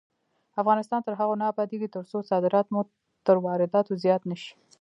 افغانستان تر هغو نه ابادیږي، ترڅو صادرات مو تر وارداتو زیات نشي.